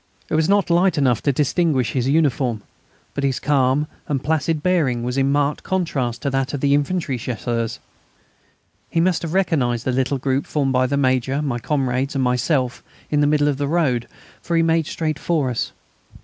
It was not light enough to distinguish his uniform, but his calm and placid bearing was in marked contrast to that of the infantry Chasseurs. He must have recognised the little group formed by the Major, my comrades, and myself in the middle of the road, for he made straight for us.